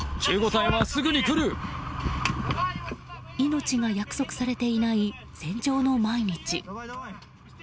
命が約束されていない戦場の毎日。